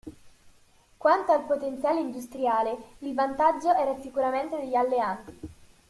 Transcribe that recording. Quanto al potenziale industriale, il vantaggio era sicuramente degli Alleati.